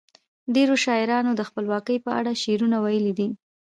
ډیرو شاعرانو د خپلواکۍ په اړه شعرونه ویلي دي.